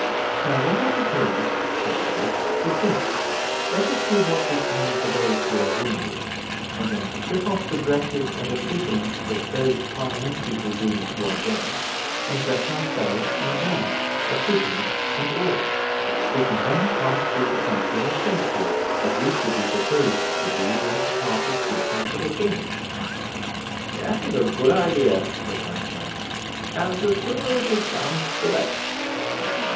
"Now, what I propose," said Edward, "is this: let us do what we can for those who are wounded, and then strip off the dresses and accouterments of those Parliamentary dragoons who are dead, and dress ourselves in them, accouterments and all. We can then pass through the country in safety, as we shall be supposed to be one of the parties looking for the king." "That is a good idea," replied Chaloner, "and the sooner it is done the better."